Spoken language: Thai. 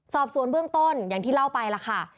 สอบสวนเบื้องต้นอย่างที่เล่าไปล่ะค่ะ